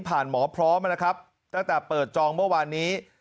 หมอพร้อมนะครับตั้งแต่เปิดจองเมื่อวานนี้